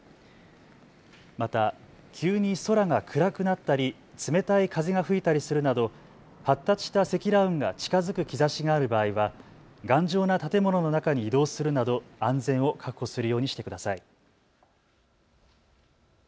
また急に空が暗くなったり冷たい風が吹いたりするなど発達した積乱雲が近づく兆しがある場合は頑丈な建物の中に移動するなど安全を確保するようにしてください。